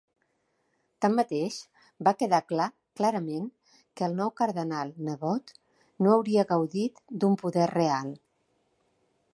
Tanmateix, va quedar clar clarament que el nou cardenal-nebot no hauria gaudit d'un poder real.